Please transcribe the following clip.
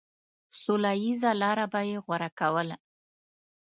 سوله ييزه لاره به يې غوره کوله.